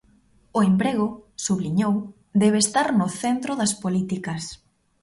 O emprego, subliñou, debe estar no centro das políticas.